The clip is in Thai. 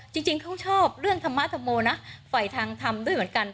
จริงเขาชอบเรื่องธรรมธรโมนะฝ่ายทางธรรมด้วยเหมือนกัน